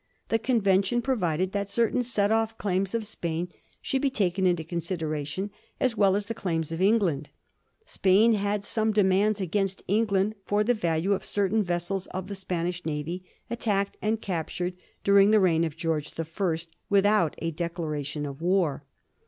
The convention provided that certain set off claims of Spain should be taken into consideration as well as the claims of England. Spain had some demands against Engird for the value of certain vessels of the Spanish navy attacked and captured during the reign of George the First without a declaration of war.